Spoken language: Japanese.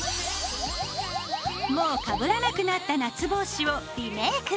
もうかぶらなくなった夏帽子をリメイク！